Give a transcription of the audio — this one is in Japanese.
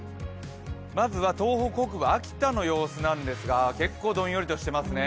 まずは東北北部、秋田の様子なんですが、結構、どんよりとしていますね。